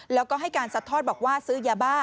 แล้วก็ให้การสัดทอดบอกว่าซื้อยาบ้า